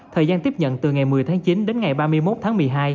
thời gian tiếp nhận từ ngày một mươi tháng chín đến ngày ba mươi một tháng một mươi hai